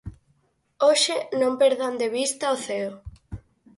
Hoxe non perdan de vista o ceo.